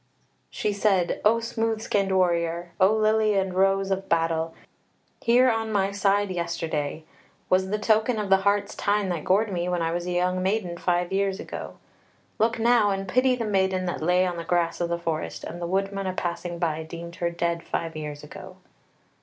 She said: "O smooth skinned warrior, O Lily and Rose of battle; here on my side yesterday was the token of the hart's tyne that gored me when I was a young maiden five years ago: look now and pity the maiden that lay on the grass of the forest, and the woodman a passing by deemed her dead five years ago."